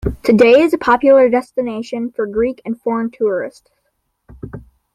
Today is a popular destination for Greek and foreign tourists.